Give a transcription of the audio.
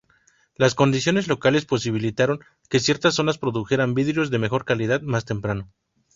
Las condiciones locales posibilitaron que ciertas zonas produjeran vidrios de mejor calidad más temprano.